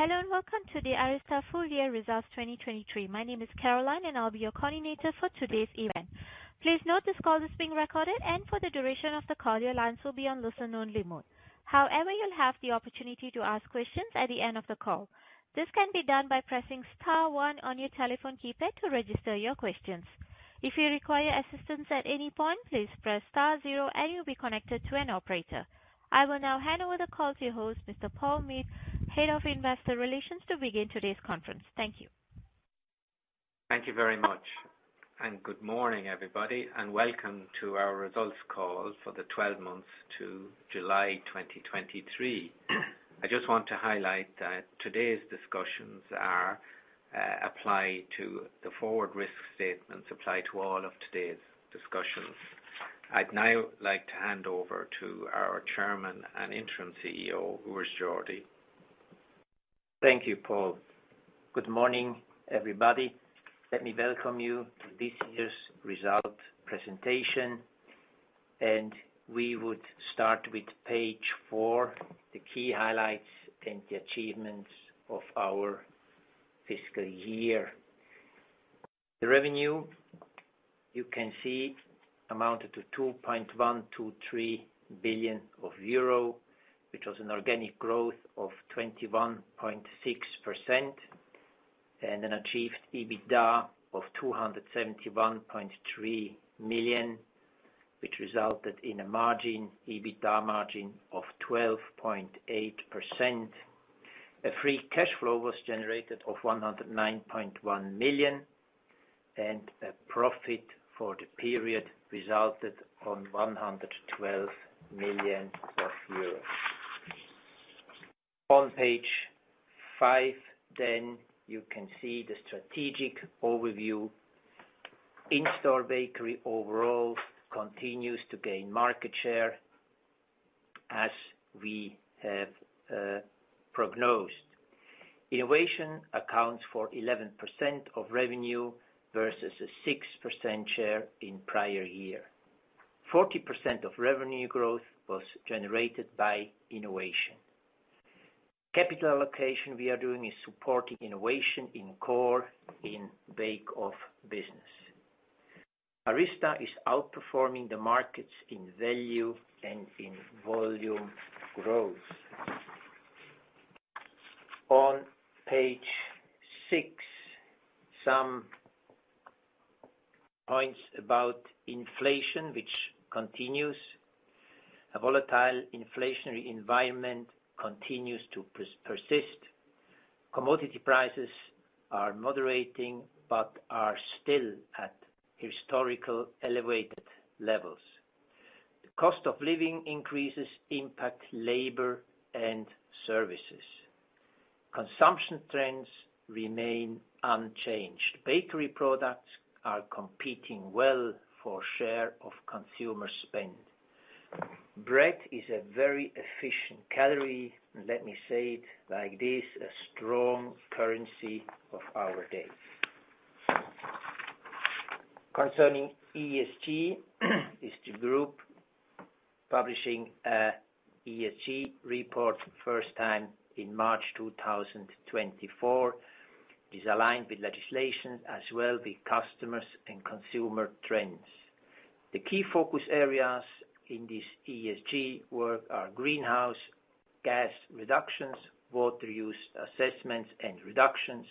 Hello, and welcome to the ARYZTA Full Year Results 2023. My name is Caroline, and I'll be your coordinator for today's event. Please note this call is being recorded, and for the duration of the call, your lines will be on listen-only mode. However, you'll have the opportunity to ask questions at the end of the call. This can be done by pressing star one on your telephone keypad to register your questions. If you require assistance at any point, please press star zero, and you'll be connected to an operator. I will now hand over the call to your host, Mr. Paul Meade, Head of Investor Relations, to begin today's conference. Thank you. Thank you very much, and good morning, everybody, and welcome to our results call for the 12 months to July 2023. I just want to highlight that the forward-looking statements apply to all of today's discussions. I'd now like to hand over to our Chairman and Interim CEO, Urs Jordi. Thank you, Paul. Good morning, everybody. Let me welcome you to this year's result presentation, and we would start with page four, the key highlights and the achievements of our fiscal year. The revenue, you can see, amounted to 2.123 billion euro, which was an organic growth of 21.6%, and an achieved EBITDA of 271.3 million, which resulted in a margin, EBITDA margin of 12.8%. A free cash flow was generated of 109.1 million, and a profit for the period resulted on 112 million euros. On page five, then you can see the strategic overview. In-store bakery overall continues to gain market share as we have prognosed. Innovation accounts for 11% of revenue versus a 6% share in prior year. 40% of revenue growth was generated by innovation. Capital allocation we are doing is supporting innovation in core, in bake-off business. ARYZTA is outperforming the markets in value and in volume growth. On page six, some points about inflation, which continues. A volatile inflationary environment continues to persist. Commodity prices are moderating, but are still at historical elevated levels. The cost of living increases impact labor and services. Consumption trends remain unchanged. Bakery products are competing well for share of consumer spend. Bread is a very efficient calorie, and let me say it like this, a strong currency of our day. Concerning ESG, is the group publishing a ESG report first time in March 2024. It is aligned with legislation, as well with customers and consumer trends. The key focus areas in this ESG work are greenhouse gas reductions, water use assessments and reductions,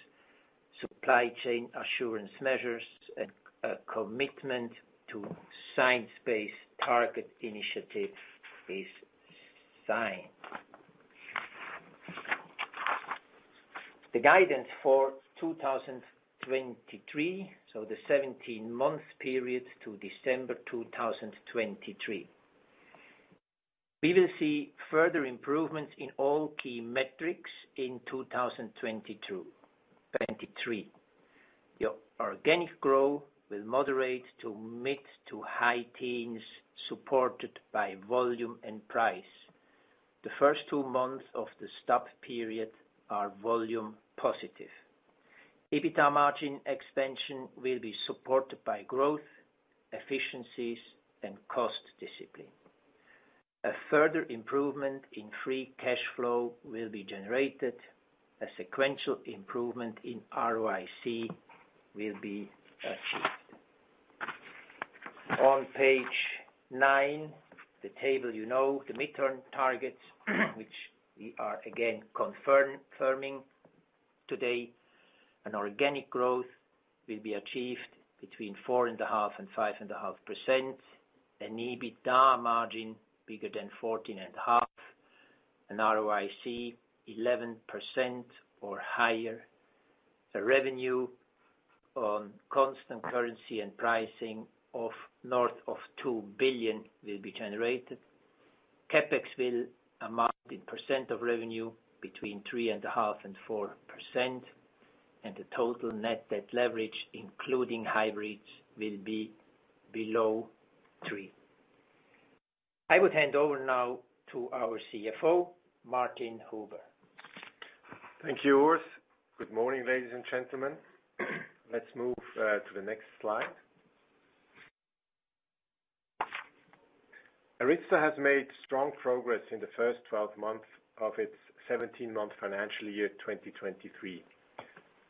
supply chain assurance measures, and a commitment to Science Based Targets initiative is signed. The guidance for 2023, so the 17-month period to December 2023. We will see further improvements in all key metrics in 2022-2023. The organic growth will moderate to mid- to high-teens, supported by volume and price. The first two months of the stub period are volume positive. EBITDA margin expansion will be supported by growth, efficiencies, and cost discipline. A further improvement in free cash flow will be generated. A sequential improvement in ROIC will be achieved. On page nine, the table you know, the midterm targets, which we are again confirming today. Organic growth will be achieved between 4.5%-5.5%, an EBITDA margin bigger than 14.5%, an ROIC 11% or higher. The revenue on constant currency and pricing of north of 2 billion will be generated. CapEx will amount in percent of revenue between 3.5%-4.0%, and the total net debt leverage, including hybrids, will be below 3. I would hand over now to our CFO, Martin Huber. Thank you, Urs. Good morning, ladies and gentlemen. Let's move to the next slide. ARYZTA has made strong progress in the first 12 months of its 17-month financial year, 2023.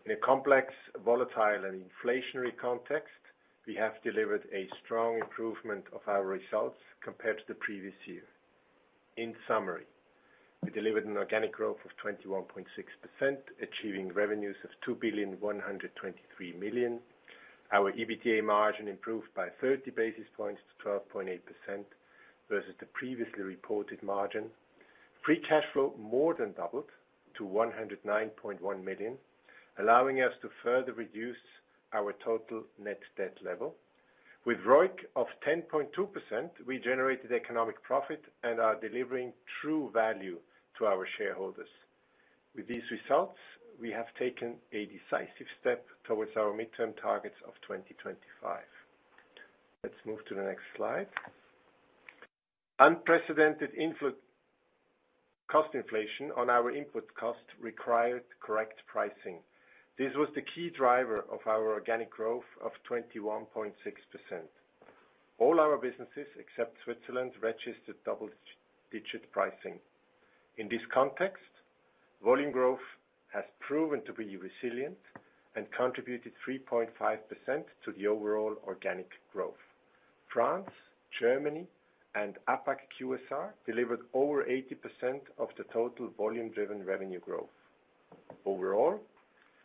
In a complex, volatile, and inflationary context, we have delivered a strong improvement of our results compared to the previous year. In summary, we delivered an organic growth of 21.6%, achieving revenues of 2,123 million. Our EBITDA margin improved by 30 basis points to 12.8% versus the previously reported margin. Free cash flow more than doubled to 109.1 million, allowing us to further reduce our total net debt level. With ROIC of 10.2%, we generated economic profit and are delivering true value to our shareholders. With these results, we have taken a decisive step towards our midterm targets of 2025. Let's move to the next slide. Unprecedented input cost inflation on our input cost required correct pricing. This was the key driver of our organic growth of 21.6%. All our businesses, except Switzerland, registered double-digit pricing. In this context, volume growth has proven to be resilient and contributed 3.5% to the overall organic growth. France, Germany, and APAC QSR delivered over 80% of the total volume-driven revenue growth. Overall,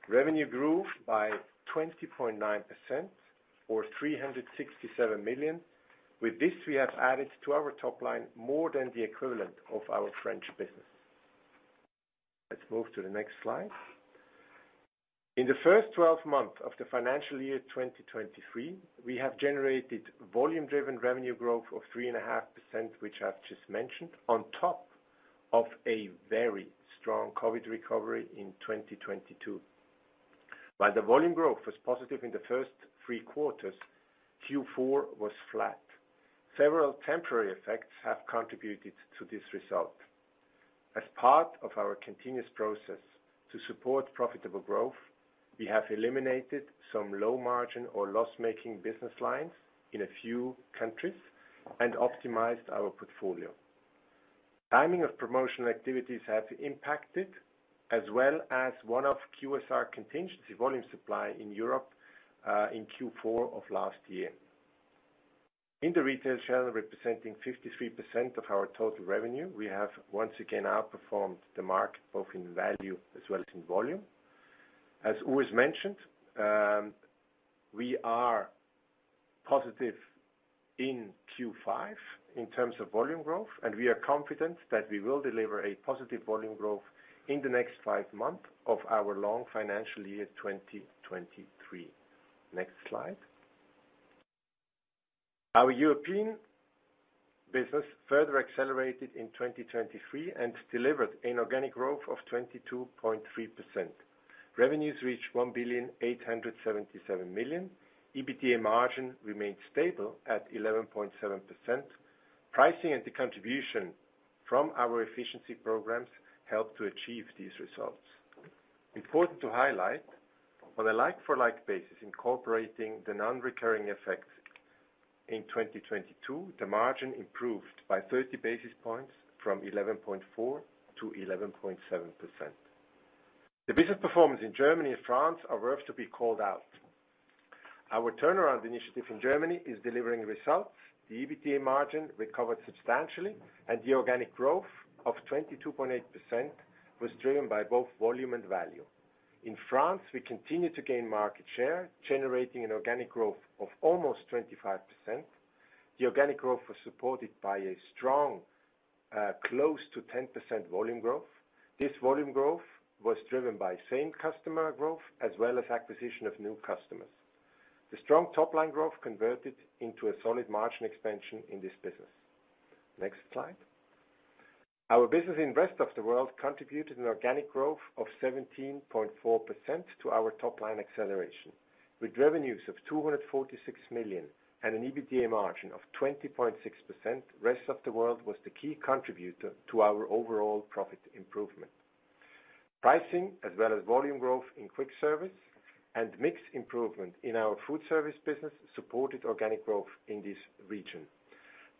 revenue grew by 20.9% or 367 million. With this, we have added to our top line more than the equivalent of our French business. Let's move to the next slide. In the first 12 months of the financial year, 2023, we have generated volume-driven revenue growth of 3.5%, which I've just mentioned, on top of a very strong COVID recovery in 2022. While the volume growth was positive in the first three quarters, Q4 was flat. Several temporary effects have contributed to this result. As part of our continuous process to support profitable growth, we have eliminated some low margin or loss-making business lines in a few countries and optimized our portfolio. Timing of promotional activities have impacted, as well as one-off QSR contingency volume supply in Europe, in Q4 of last year. In the retail channel, representing 53% of our total revenue, we have once again outperformed the market, both in value as well as in volume. As Urs mentioned, we are positive in Q5 in terms of volume growth, and we are confident that we will deliver a positive volume growth in the next five months of our long financial year, 2023. Next slide. Our European business further accelerated in 2023 and delivered an organic growth of 22.3%. Revenues reached 1,877 million. EBITDA margin remained stable at 11.7%. Pricing and the contribution from our efficiency programs helped to achieve these results. Important to highlight, on a like-for-like basis, incorporating the non-recurring effects in 2022, the margin improved by 30 basis points from 11.4% to 11.7%. The business performance in Germany and France are worth to be called out. Our turnaround initiative in Germany is delivering results. The EBITDA margin recovered substantially, and the organic growth of 22.8% was driven by both volume and value. In France, we continue to gain market share, generating an organic growth of almost 25%. The organic growth was supported by a strong, close to 10% volume growth. This volume growth was driven by same customer growth as well as acquisition of new customers. The strong top-line growth converted into a solid margin expansion in this business. Next slide. Our business in rest of the world contributed an organic growth of 17.4% to our top line acceleration. With revenues of 246 million and an EBITDA margin of 20.6%, rest of the world was the key contributor to our overall profit improvement. Pricing, as well as volume growth in quick service and mix improvement in our food service business, supported organic growth in this region.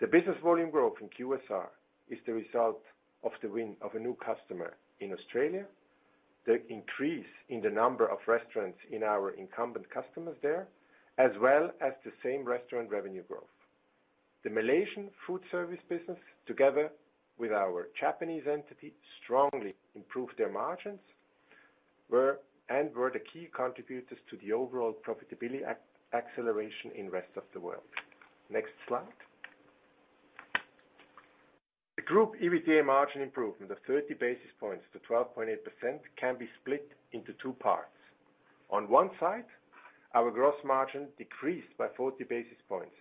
The business volume growth in QSR is the result of the win of a new customer in Australia, the increase in the number of restaurants in our incumbent customers there, as well as the same restaurant revenue growth. The Malaysian foodservice business, together with our Japanese entity, strongly improved their margins and were the key contributors to the overall profitability acceleration in rest of the world. Next slide. The group EBITDA margin improvement of 30 basis points to 12.8% can be split into two parts. On one side, our gross margin decreased by 40 basis points.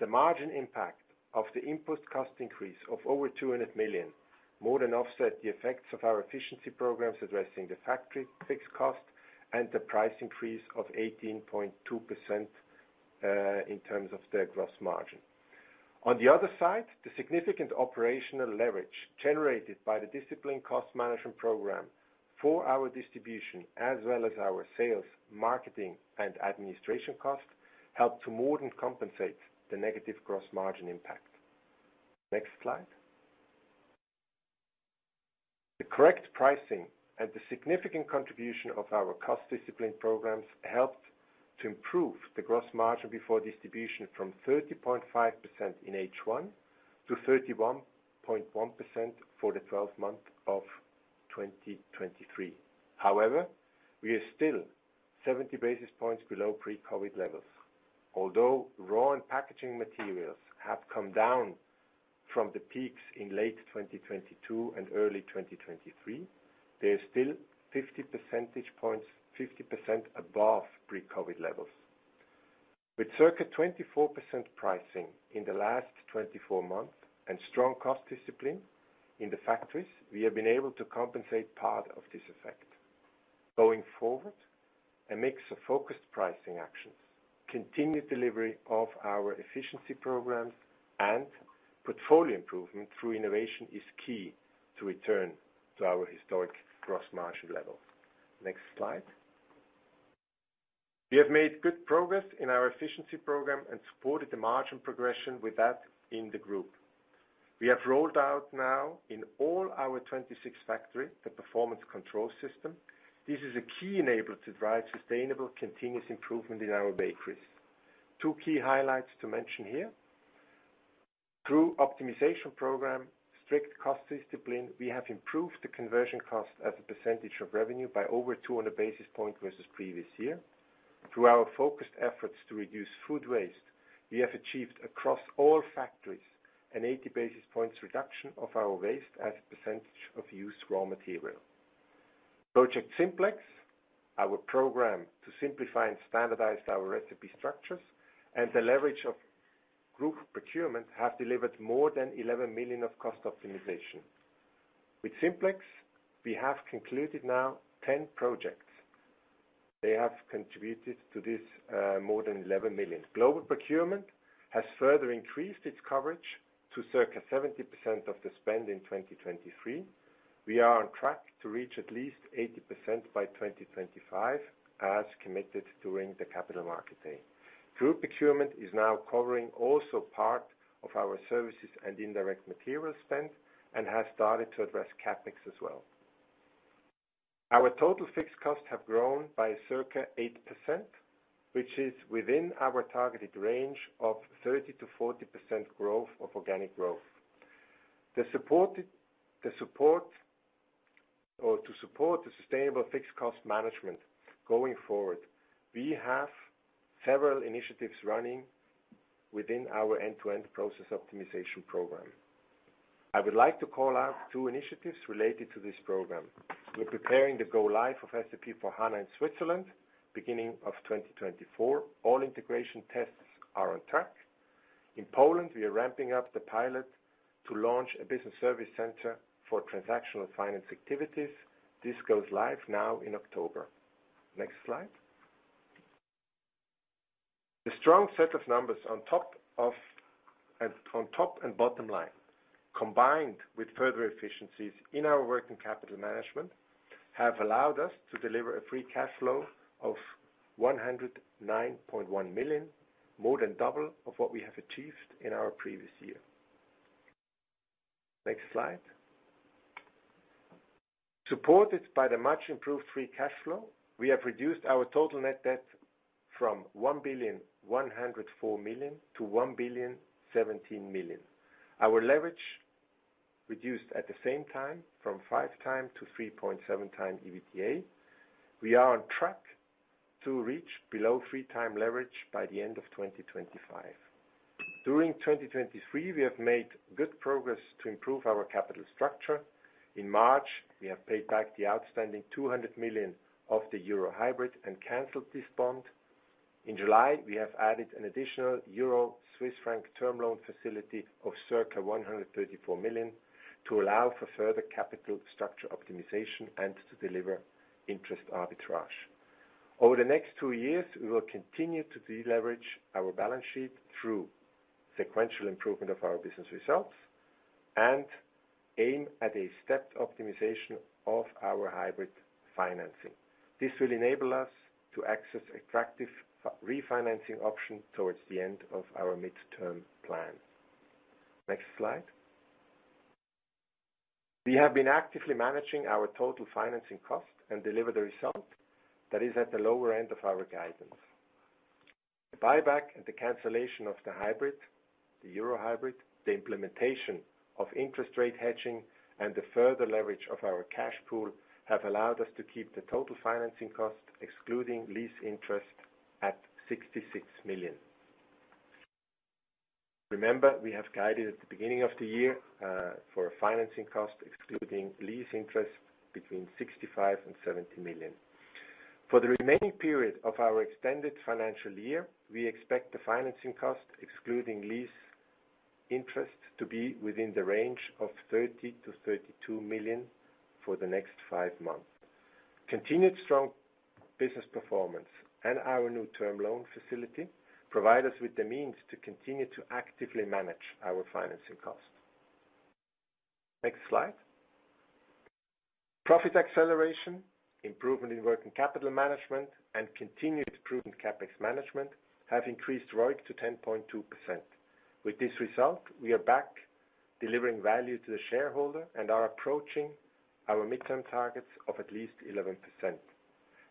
The margin impact of the input cost increase of over 200 million more than offset the effects of our efficiency programs, addressing the factory fixed cost and the price increase of 18.2%, in terms of the gross margin. On the other side, the significant operational leverage generated by the disciplined cost management program for our distribution, as well as our sales, marketing, and administration costs, helped to more than compensate the negative gross margin impact. Next slide. The correct pricing and the significant contribution of our cost discipline programs helped to improve the gross margin before distribution from 30.5% in H1 to 31.1% for the 12 months of 2023. However, we are still 70 basis points below pre-COVID levels. Although raw and packaging materials have come down from the peaks in late 2022 and early 2023, they are still 50 percentage points, 50% above pre-COVID levels. With circa 24% pricing in the last 24 months and strong cost discipline in the factories, we have been able to compensate part of this effect. Going forward, a mix of focused pricing actions, continued delivery of our efficiency programs, and portfolio improvement through innovation is key to return to our historic gross margin level. Next slide. We have made good progress in our efficiency program and supported the margin progression with that in the group. We have rolled out now in all our 26 factories, the performance control system. This is a key enabler to drive sustainable, continuous improvement in our bakeries. Two key highlights to mention here: through optimization program, strict cost discipline, we have improved the conversion cost as a percentage of revenue by over 200 basis points versus previous year. Through our focused efforts to reduce food waste, we have achieved across all factories an 80 basis points reduction of our waste as a percentage of used raw material. Project Simplex, our program to simplify and standardize our recipe structures and the leverage of group procurement, have delivered more than 11 million of cost optimization. With Simplex, we have concluded now 10 projects. They have contributed to this, more than 11 million. Global procurement has further increased its coverage to circa 70% of the spend in 2023. We are on track to reach at least 80% by 2025, as committed during the Capital Market Day. Group procurement is now covering also part of our services and indirect material spend and has started to address CapEx as well. Our total fixed costs have grown by circa 8%, which is within our targeted range of 30%-40% growth of organic growth. To support the sustainable fixed cost management going forward, we have several initiatives running within our end-to-end process optimization program. I would like to call out two initiatives related to this program. We're preparing the go-live of SAP S/4HANA in Switzerland, beginning of 2024. All integration tests are on track. In Poland, we are ramping up the pilot to launch a business service center for transactional finance activities. This goes live now in October. Next slide. The strong set of numbers on top of, and on top and bottom line, combined with further efficiencies in our working capital management, have allowed us to deliver a free cash flow of 109.1 million, more than double of what we have achieved in our previous year. Next slide. Supported by the much improved free cash flow, we have reduced our total net debt from 1.104 billion to 1.017 billion. Our leverage reduced at the same time from 5x to 3.7x EBITDA. We are on track to reach below 3x leverage by the end of 2025. During 2023, we have made good progress to improve our capital structure. In March, we have paid back the outstanding 200 million of the euro hybrid and canceled this bond. In July, we have added an additional euro Swiss franc term loan facility of circa 134 million to allow for further capital structure optimization and to deliver interest arbitrage. Over the next two years, we will continue to deleverage our balance sheet through sequential improvement of our business results and aim at a stepped optimization of our hybrid financing. This will enable us to access attractive refinancing options towards the end of our midterm plan. Next slide. We have been actively managing our total financing cost and delivered a result that is at the lower end of our guidance. The buyback and the cancellation of the hybrid, the euro hybrid, the implementation of interest rate hedging, and the further leverage of our cash pool, have allowed us to keep the total financing cost, excluding lease interest, at 66 million. Remember, we have guided at the beginning of the year for a financing cost, excluding lease interest, between 65 million and 70 million. For the remaining period of our extended financial year, we expect the financing cost, excluding lease interest, to be within the range of 30 million-32 million for the next 5 months. Continued strong business performance and our new term loan facility provide us with the means to continue to actively manage our financing costs. Next slide. Profit acceleration, improvement in working capital management, and continued prudent CapEx management have increased ROIC to 10.2%. With this result, we are back delivering value to the shareholder and are approaching our midterm targets of at least 11%.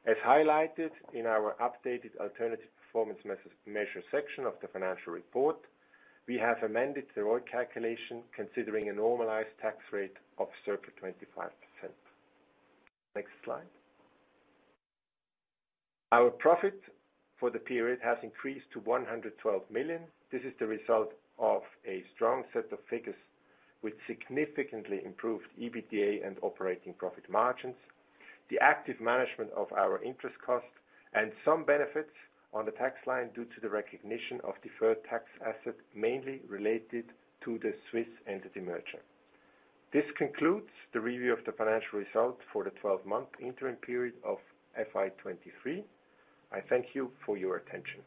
As highlighted in our updated alternative performance measure section of the financial report, we have amended the ROIC calculation, considering a normalized tax rate of circa 25%. Next slide. Our profit for the period has increased to 112 million. This is the result of a strong set of figures, with significantly improved EBITDA and operating profit margins, the active management of our interest costs, and some benefits on the tax line due to the recognition of deferred tax assets, mainly related to the Swiss entity merger. This concludes the review of the financial results for the twelve-month interim period of FY 2023. I thank you for your attention.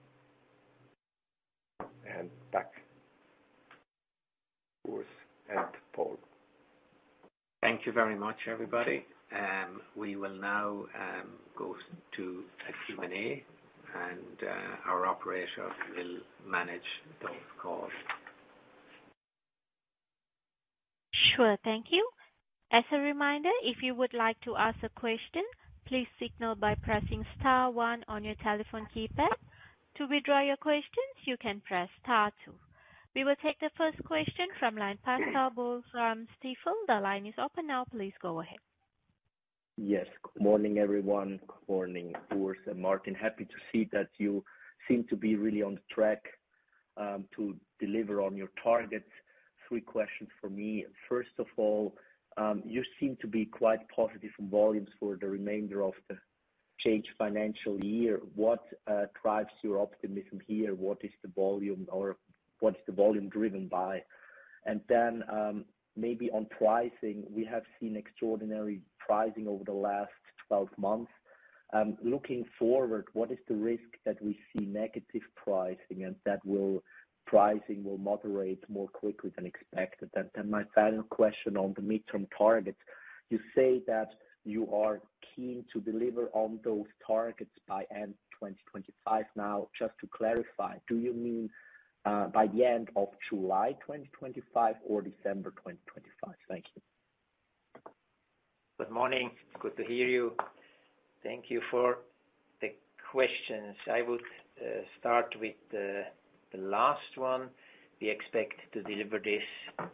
And back, Urs and Paul. Thank you very much, everybody. We will now go to the Q&A, and our operator will manage those calls. Sure. Thank you. As a reminder, if you would like to ask a question, please signal by pressing star one on your telephone keypad. To withdraw your questions, you can press star two. We will take the first question from line, Pascal Boll from Stifel. The line is open now. Please go ahead. Yes. Morning, everyone. Morning, Urs and Martin. Happy to see that you seem to be really on track to deliver on your targets. Three questions for me. First of all, you seem to be quite positive on volumes for the remainder of the changed financial year. What drives your optimism here? What is the volume or what is the volume driven by? And then, maybe on pricing, we have seen extraordinary pricing over the last 12 months. Looking forward, what is the risk that we see negative pricing and that will, pricing will moderate more quickly than expected? And, and my final question on the midterm targets: You say that you are keen to deliver on those targets by end 2025. Now, just to clarify, do you mean by the end of July 2025 or December 2025? Thank you. Good morning. Good to hear you. Thank you for the questions. I would start with the last one. We expect to deliver this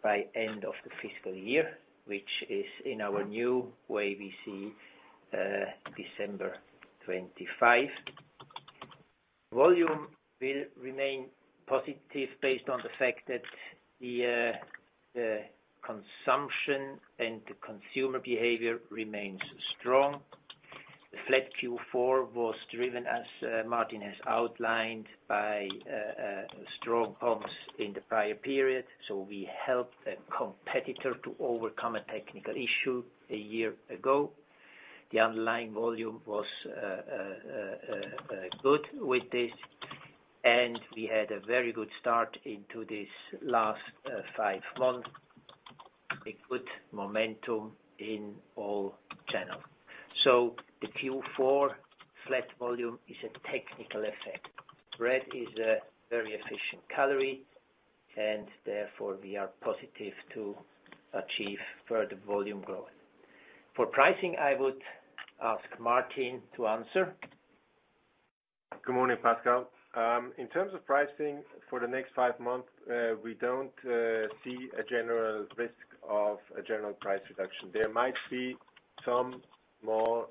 by end of the fiscal year, which is in our new way, we see December 25. Volume will remain positive based on the fact that the consumption and the consumer behavior remains strong. The flat Q4 was driven, as Martin has outlined, by strong comps in the prior period. So we helped a competitor to overcome a technical issue a year ago. The underlying volume was good with this, and we had a very good start into this last five months, a good momentum in all channels. So the Q4 flat volume is a technical effect. Bread is a very efficient calorie, and therefore we are positive to achieve further volume growth. For pricing, I would ask Martin to answer. Good morning, Pascal. In terms of pricing for the next five months, we don't see a general risk of a general price reduction. There might be some more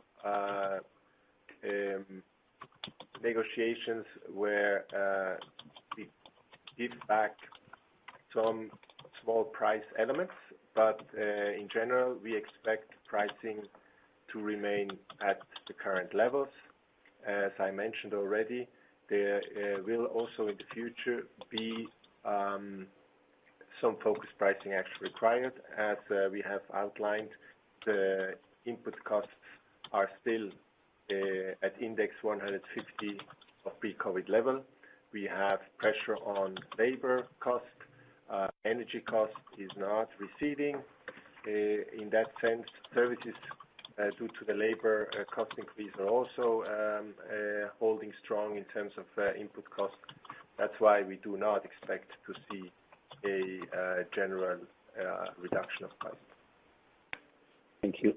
negotiations where we give back some small price elements, but in general, we expect pricing to remain at the current levels. As I mentioned already, there will also, in the future, be some focused pricing action required. As we have outlined, the input costs are still at index 150 of pre-COVID level. We have pressure on labor cost. Energy cost is not receding. In that sense, services due to the labor cost increase are also holding strong in terms of input costs. That's why we do not expect to see a general reduction of price. Thank you.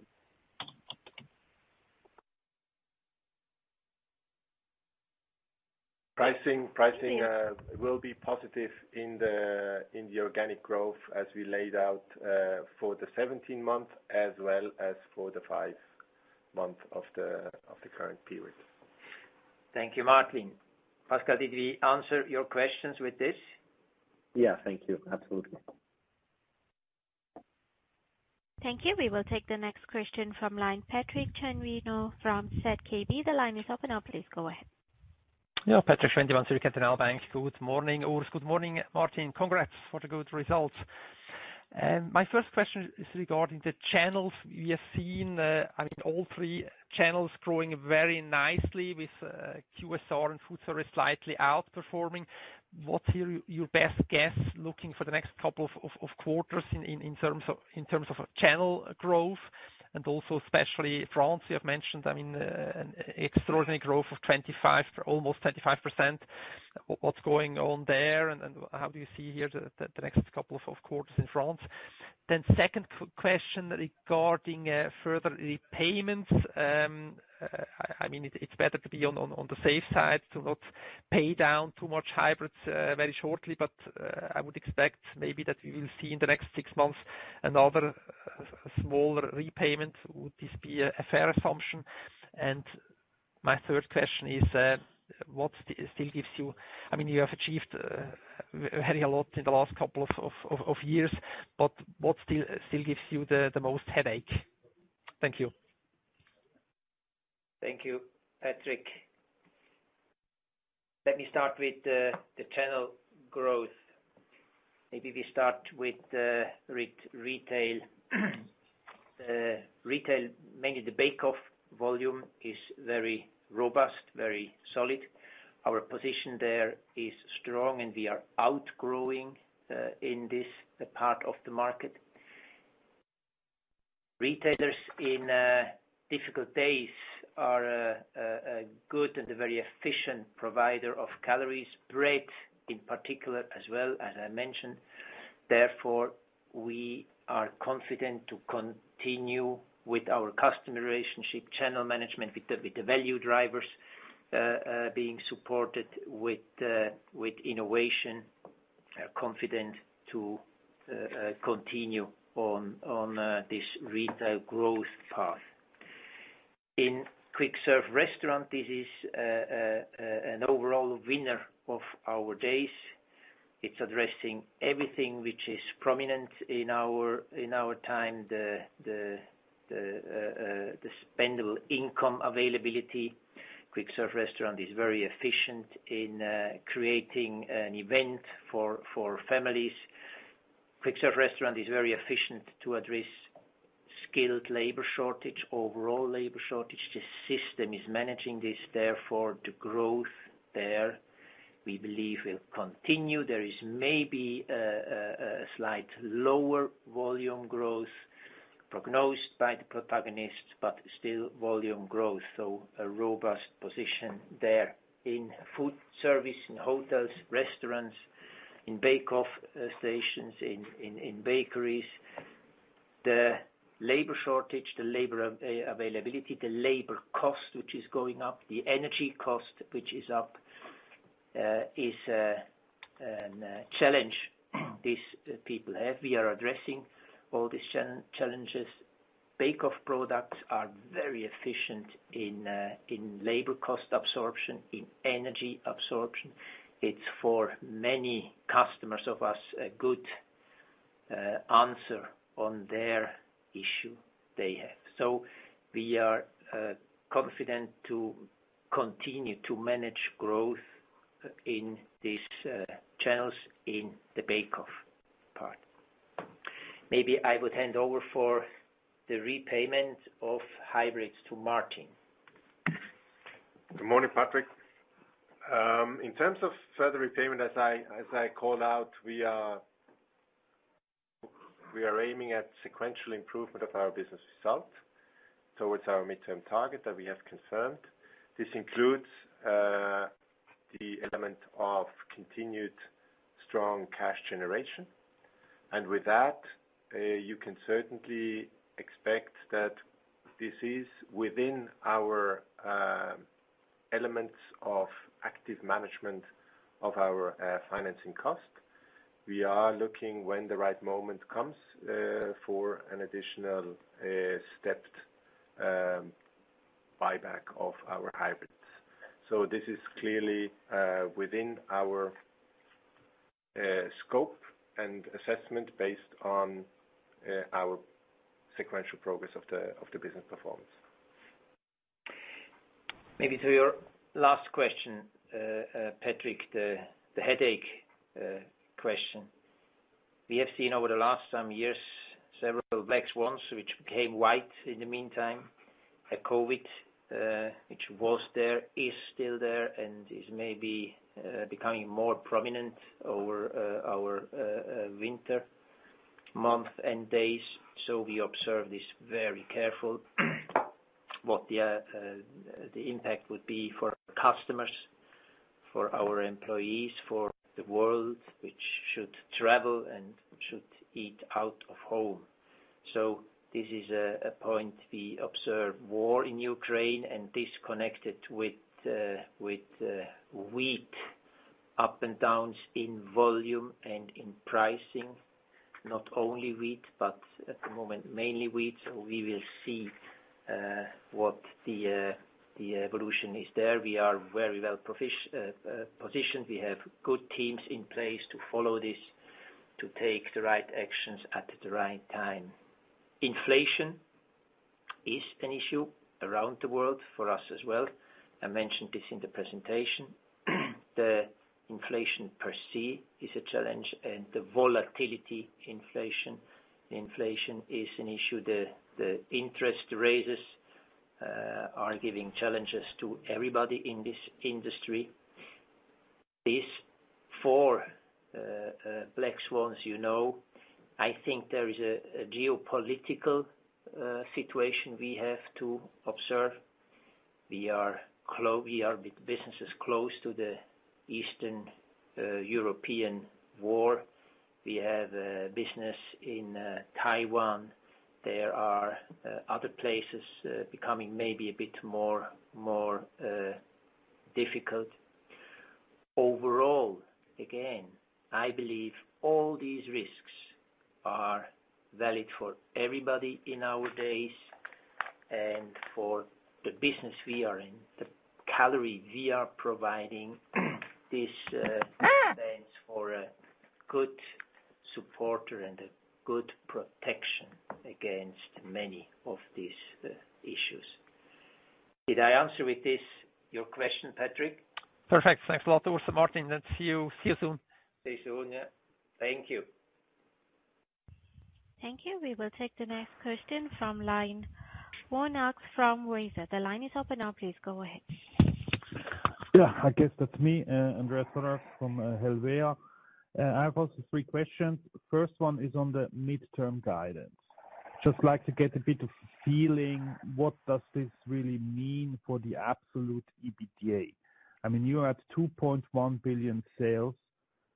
Pricing, pricing, will be positive in the, in the organic growth as we laid out, for the 17 months as well as for the 5 months of the, of the current period. Thank you, Martin. Pascal, did we answer your questions with this? Yeah. Thank you. Absolutely. Thank you. We will take the next question from the line, Patrik Schwendimann from ZKB. The line is open now. Please go ahead. Yeah, Patrik Schwendimann from Zürcher Kantonalbank. Good morning, Urs. Good morning, Martin. Congrats for the good results. My first question is regarding the channels. We have seen, I mean, all three channels growing very nicely with QSR and food service slightly outperforming. What's your best guess looking for the next couple of quarters in terms of channel growth? And also especially France, you have mentioned, I mean, an extraordinary growth of 25, almost 35%. What's going on there, and how do you see the next couple of quarters in France? Then second question regarding further repayments. I mean, it's better to be on the safe side to not pay down too much hybrids very shortly, but I would expect maybe that we will see in the next six months another smaller repayment. Would this be a fair assumption? And my third question is, what still gives you... I mean, you have achieved very a lot in the last couple of years, but what still gives you the most headache? Thank you. Thank you, Patrick. Let me start with the channel growth. Maybe we start with retail. Retail, mainly the bake-off volume is very robust, very solid. Our position there is strong, and we are outgrowing in this part of the market. Retailers in difficult days are a good and a very efficient provider of calories, bread, in particular, as well, as I mentioned. Therefore, we are confident to continue with our customer relationship, channel management, with the value drivers being supported with innovation, confident to continue on this retail growth path. In quick serve restaurant, this is an overall winner of our days. It's addressing everything which is prominent in our time, the spendable income availability. Quick service restaurant is very efficient in creating an event for families. Quick service restaurant is very efficient to address skilled labor shortage, overall labor shortage. The system is managing this, therefore, the growth there, we believe, will continue. There is maybe a slight lower volume growth prognosed by the protagonists, but still volume growth, so a robust position there. In food service, in hotels, restaurants, in bake-off stations, in bakeries, the labor shortage, the labor availability, the labor cost, which is going up, the energy cost, which is up, is a challenge these people have. We are addressing all these challenges. Bake-off products are very efficient in labor cost absorption, in energy absorption. It's for many customers of us, a good answer on their issue they have. We are confident to continue to manage growth in these channels in the bake-off part. Maybe I would hand over for the repayment of hybrids to Martin. Good morning, Patrick. In terms of further repayment, as I called out, we are aiming at sequential improvement of our business result, towards our midterm target that we have confirmed. This includes the element of continued strong cash generation. And with that, you can certainly expect that this is within our elements of active management of our financing cost. We are looking when the right moment comes for an additional stepped buyback of our hybrids. So this is clearly within our scope and assessment based on our sequential progress of the business performance. Maybe to your last question, Patrick, the headache question. We have seen over the last some years, several black swans, which became white in the meantime, like COVID, which was there, is still there, and is maybe becoming more prominent over our winter month and days. So we observe this very careful, what the impact would be for our customers, for our employees, for the world, which should travel and should eat out of home. So this is a point we observe. War in Ukraine and this connected with wheat, up and downs in volume and in pricing, not only wheat, but at the moment, mainly wheat, so we will see what the evolution is there. We are very well positioned. We have good teams in place to follow this, to take the right actions at the right time. Inflation is an issue around the world for us as well. I mentioned this in the presentation. The inflation per se is a challenge, and the volatility inflation, inflation is an issue. The interest raises are giving challenges to everybody in this industry. These four black swans, you know, I think there is a geopolitical situation we have to observe. We are with businesses close to the Eastern European war. We have business in Taiwan. There are other places becoming maybe a bit more difficult. Overall, again, I believe all these risks are valid for everybody in our days, and for the business we are in, the calorie we are providing, this, stands for a good supporter and a good protection against many of these, issues. Did I answer with this your question, Patrick? Perfect. Thanks a lot, Urs and Martin. Let's see you, see you soon. See you soon, yeah. Thank you. Thank you. We will take the next question from line Andreas von Arx from Helvea. The line is open now. Please go ahead. Yeah, I guess that's me, Andreas von Arx from Helvea. I have also three questions. First one is on the midterm guidance. Just like to get a bit of feeling, what does this really mean for the absolute EBITDA? I mean, you're at 2.1 billion sales,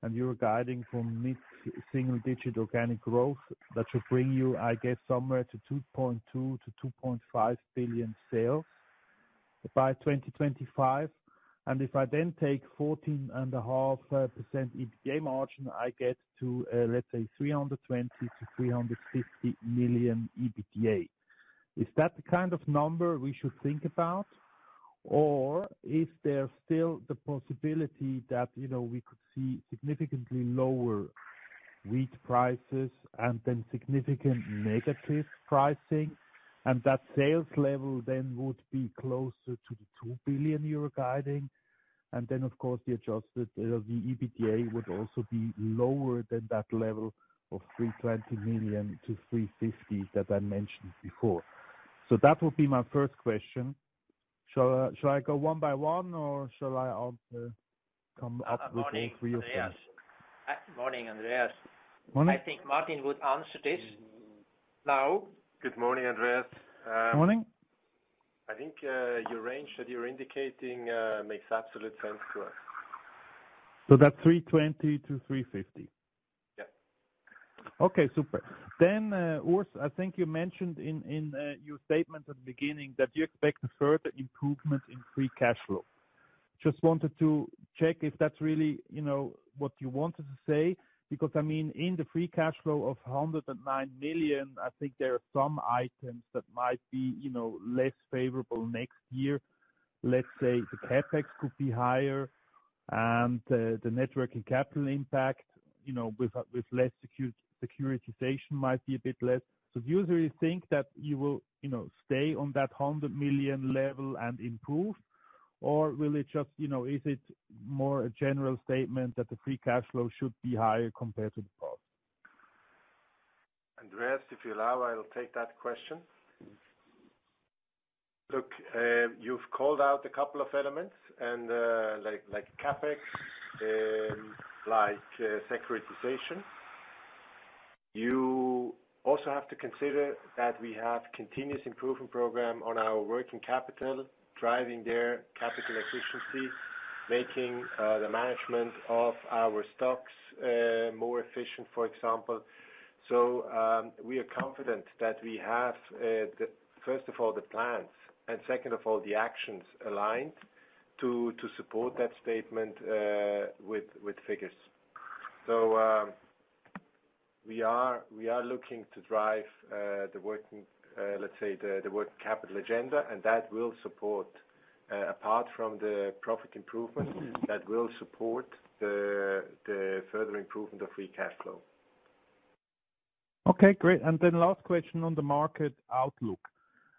and you're guiding for mid-single digit organic growth. That should bring you, I guess, somewhere to 2.2 billion-2.5 billion sales by 2025. And if I then take 14.5% EBITDA margin, I get to, let's say 320 million-350 million EBITDA. Is that the kind of number we should think about? Or is there still the possibility that, you know, we could see significantly lower wheat prices and then significant negative pricing, and that sales level then would be closer to the 2 billion euro you're guiding? And then, of course, the adjusted, the EBITDA would also be lower than that level of 320 million-350 million that I mentioned before. So that would be my first question. Shall I, shall I go one by one, or shall I come up with all three of them? Morning, Andreas. Morning, Andreas. Morning. I think Martin would answer this now. Good morning, Andreas, Morning. I think, your range that you're indicating, makes absolute sense to us. That's 3.20-3.50? Okay, super. Then, Urs, I think you mentioned in your statement at the beginning that you expect a further improvement in free cash flow. Just wanted to check if that's really, you know, what you wanted to say. Because, I mean, in the free cash flow of 109 million, I think there are some items that might be, you know, less favorable next year. Let's say, the CapEx could be higher, and the net working capital impact, you know, with less securitization might be a bit less. So do you really think that you will, you know, stay on that 100 million level and improve? Or will it just, you know, is it more a general statement that the free cash flow should be higher compared to the past? Andreas, if you allow, I will take that question. Look, you've called out a couple of elements, and, like, like CapEx, like, securitization. You also have to consider that we have continuous improvement program on our working capital, driving their capital efficiency, making, the management of our stocks, more efficient, for example. So, we are confident that we have, the, first of all, the plans, and second of all, the actions aligned to, to support that statement, with, with figures. So, we are, we are looking to drive, the working, let's say, the, the working capital agenda, and that will support, apart from the profit improvement that will support the further improvement of free cash flow. Okay, great. And then last question on the market outlook.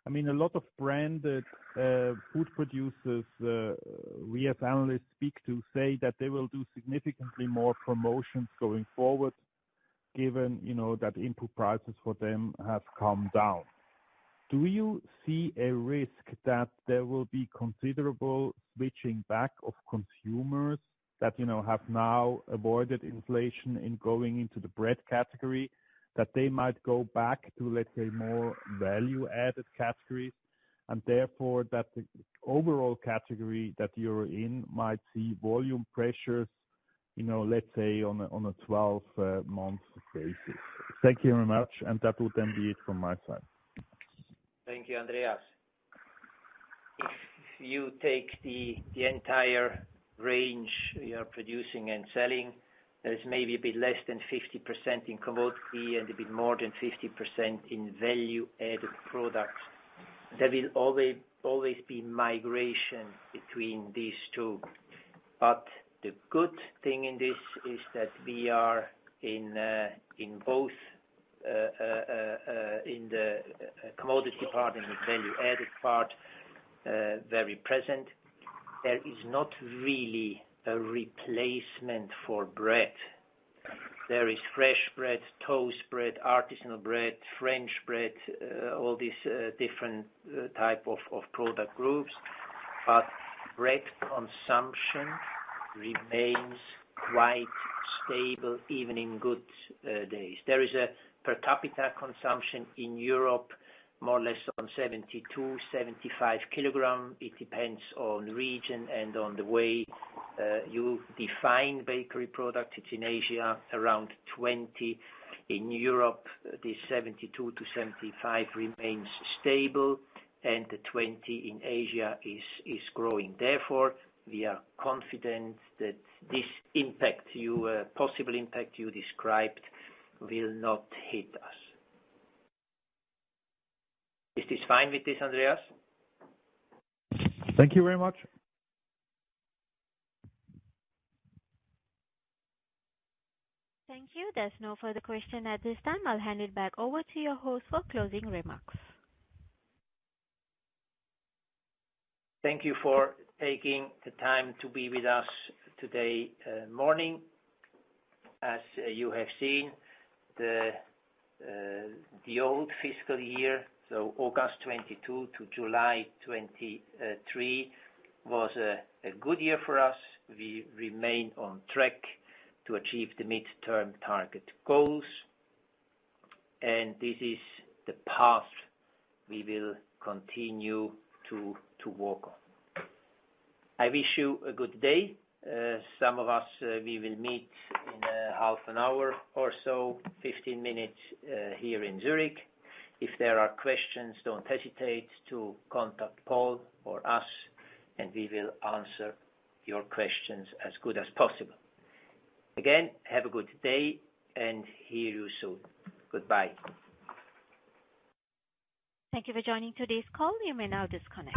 I mean, a lot of branded food producers we as analysts speak to say that they will do significantly more promotions going forward, given, you know, that input prices for them have come down. Do you see a risk that there will be considerable switching back of consumers that, you know, have now avoided inflation in going into the bread category, that they might go back to, let's say, more value-added categories, and therefore, that the overall category that you're in might see volume pressures, you know, let's say, on a 12-month basis? Thank you very much, and that would then be it from my side. Thank you, Andreas. If you take the entire range we are producing and selling, there's maybe a bit less than 50% in commodity and a bit more than 50% in value-added products. There will always be migration between these two. But the good thing in this is that we are in both the commodity part and the value-added part very present. There is not really a replacement for bread. There is fresh bread, toast bread, artisanal bread, French bread, all these different types of product groups. But bread consumption remains quite stable, even in good days. There is a per capita consumption in Europe, more or less 72-75 kg. It depends on region and on the way you define bakery products. It's in Asia, around 20. In Europe, the 72-75 remains stable, and the 20 in Asia is growing. Therefore, we are confident that this impact you, possible impact you described, will not hit us. Is this fine with this, Andreas? Thank you very much. Thank you. There's no further question at this time. I'll hand it back over to your host for closing remarks. Thank you for taking the time to be with us today, morning. As you have seen, the old fiscal year, so August 2022 to July 2023, was a good year for us. We remain on track to achieve the midterm target goals, and this is the path we will continue to work on. I wish you a good day. Some of us, we will meet in half an hour or so, 15 minutes, here in Zürich. If there are questions, don't hesitate to contact Paul or us, and we will answer your questions as good as possible. Again, have a good day and hear you soon. Goodbye. Thank you for joining today's call. You may now disconnect.